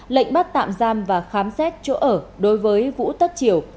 lệnh bắt tạm giam và khám xét chỗ ở đối với vũ tất triều